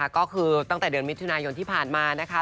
ก็คือตั้งแต่เดือนมิถุนายนที่ผ่านมานะคะ